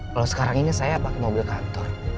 kalau sekarang ini saya pakai mobil kantor